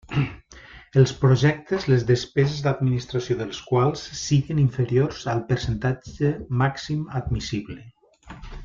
Els projectes les despeses d'administració dels quals siguen inferiors al percentatge màxim admissible.